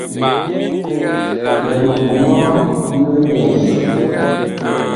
Miɓɔŋɔg mɔɔ mig nyɛɛle ma.